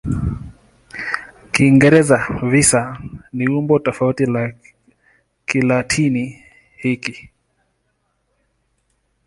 Kiingereza "visa" ni umbo tofauti la Kilatini hiki.